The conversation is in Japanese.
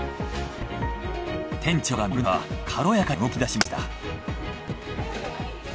店長が見守るなか軽やかに動き出しました。